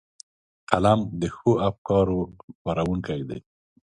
قلم د ښو افکارو خپرونکی دی